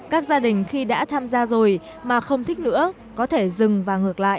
các gia đình khi đã tham gia rồi mà không thích nữa có thể dừng và ngược lại